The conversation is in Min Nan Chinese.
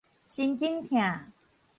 神經疼